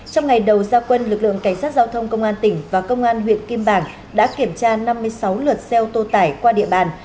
trong ngày đầu gia quân lực lượng cảnh sát giao thông công an tỉnh và công an huyện kim bảng đã kiểm tra năm mươi sáu lượt xe ô tô tải qua địa bàn